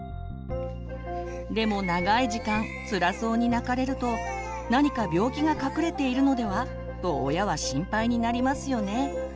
でも長い時間つらそうに泣かれると「何か病気が隠れているのでは？」と親は心配になりますよね。